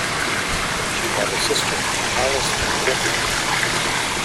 She had a sister, Alice McGriff.